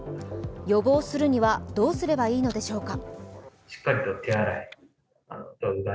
予防するにはどうすればいいのでしょうか。